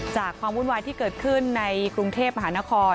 ความวุ่นวายที่เกิดขึ้นในกรุงเทพมหานคร